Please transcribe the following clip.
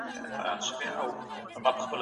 د غیر اقتصادي شرایطو اهمیت به څرګندیږي.